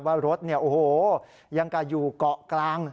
ว่ารถเนี่ยโอ้โหยังกระอยู่เกาะกลาง